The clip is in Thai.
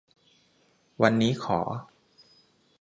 วันนี้ขอ